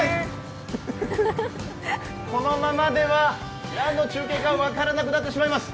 このままでは何の中継か分からなくなってしまいます。